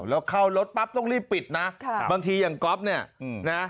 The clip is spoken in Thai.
แล้วเข้ารถปั๊บต้องรีบปิดนะบางทีอย่างก๊อฟเนี่ยนะ